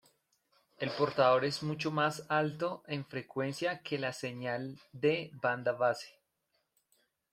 El portador es mucho más alto en frecuencia que la señal de banda base.